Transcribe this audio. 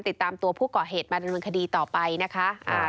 ติดตามตัวผู้ก่อเหตุมาดำเนินคดีต่อไปนะคะ